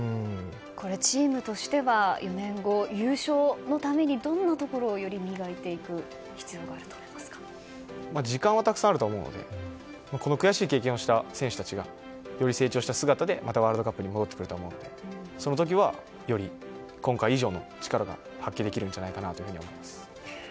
チームとしては４年後、優勝のためにどんなところをより磨いていく必要があると時間はたくさんあると思うのでこの悔しい経験をした選手がより成長した姿でワールドカップに戻ってくると思うのでその時は、より今回以上の力が発揮できるんじゃないかなと。